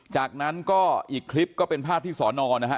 จากนั้นอีกคลิปเป็นภาพพี่สนนรนะฮะ